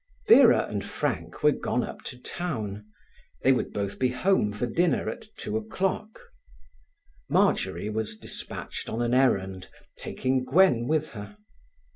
Vera and Frank were gone up to town; they would both be home for dinner at two o'clock. Marjory was despatched on an errand, taking Gwen with her.